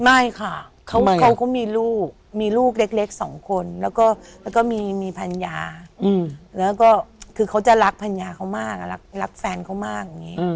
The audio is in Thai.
ไม่ค่ะเขาก็มีลูกมีลูกเล็กสองคนแล้วก็มีภรรยาแล้วก็คือเขาจะรักภรรยาเขามากรักแฟนเขามากอย่างนี้